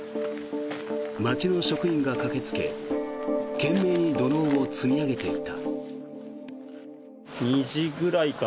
町の職員が駆けつけ懸命に土のうを積み上げていた。